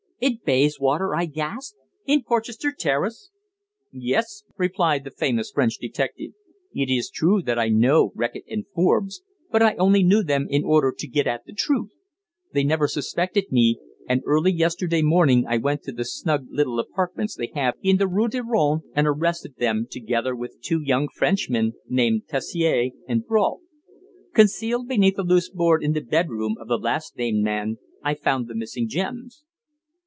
"In Bayswater!" I gasped. "In Porchester Terrace?" "Yes," replied the famous French detective. "It is true that I know Reckitt and Forbes. But I only knew them in order to get at the truth. They never suspected me, and early yesterday morning I went to the snug little apartments they have in the Rue de Rouen, and arrested them, together with two young Frenchmen named Terassier and Brault. Concealed beneath a loose board in the bedroom of the last named man I found the missing gems."